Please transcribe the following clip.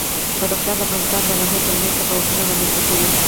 بدخشان د افغانستان د ناحیو ترمنځ تفاوتونه رامنځ ته کوي.